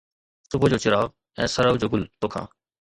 صبح جو چراغ ۽ سرءُ جو گل توکان